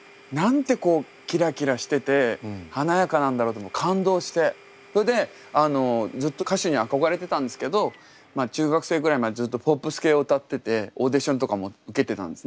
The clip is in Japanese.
高校生から歌い始めてそれ以前は５歳の時にそれでずっと歌手に憧れてたんですけど中学生ぐらいまでずっとポップス系を歌っててオーディションとかも受けてたんですね。